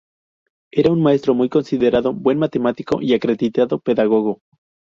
Era un maestro muy considerado, buen matemático y acreditado pedagogo.